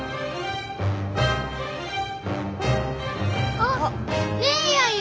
あっ姉やんや！